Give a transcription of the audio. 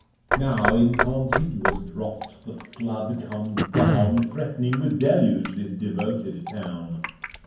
Now in contiguous Drops the Flood comes down, Threat'ning with Deloge this Devoted Town.